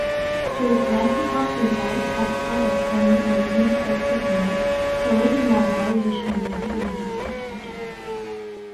Geographical results are plotted on an interactive map, so regional variation may be investigated.